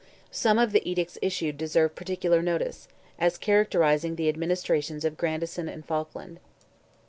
Some of the edicts issued deserve particular notice, as characterizing the administrations of Grandison and Falkland.